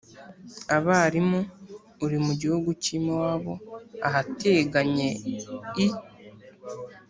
abarimu uri mu gihugu cy’i mowabu ahateganye i